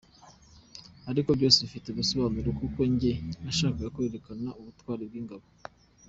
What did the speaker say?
Ariko byose bifite ubusobanuro kuko njye nashakaga kwerekana ubutwari bw’ingabo”.